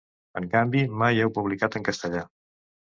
En canvi, mai heu publicat en castellà.